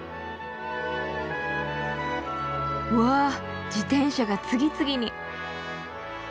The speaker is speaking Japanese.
うわ自転車が次々に。